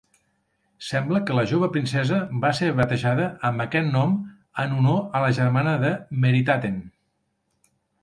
Sembla que la jove princesa va ser batejada amb aquest nom en honor a la germana de Meritaten.